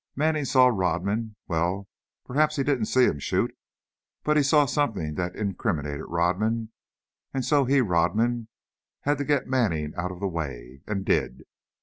Manning saw Rodman, well, perhaps he didn't see him shoot, but he saw something that incriminated Rodman, and so he, Rodman, had to get Manning out of the way. And did!